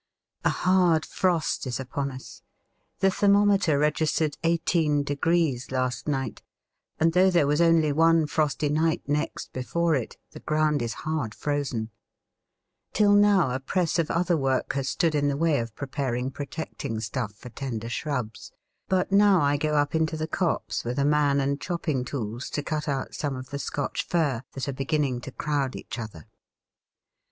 A hard frost is upon us. The thermometer registered eighteen degrees last night, and though there was only one frosty night next before it, the ground is hard frozen. Till now a press of other work has stood in the way of preparing protecting stuff for tender shrubs, but now I go up into the copse with a man and chopping tools to cut out some of the Scotch fir that are beginning to crowd each other.